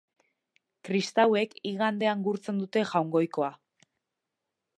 Kristauek igandean gurtzen dute Jaungoikoa.